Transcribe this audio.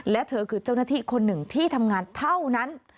และเธอคือเจ้าหน้าที่คนหนึ่งที่ทำงานเท่านั้น